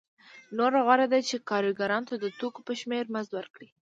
نو غوره ده چې کارګرانو ته د توکو په شمېر مزد ورکړم